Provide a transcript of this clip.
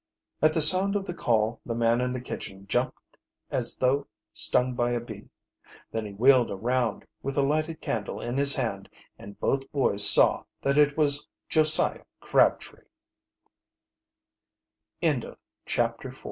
At the sound of the call the man in the kitchen jumped as though stung by a bee. Then he wheeled around, with the lighted candle in his hand, and both boys saw that it was Josiah Crabtree. CHAPTER V A STRUGGLE IN THE DARK "Crabtree, you rascal!"